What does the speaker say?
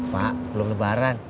pak belum lebaran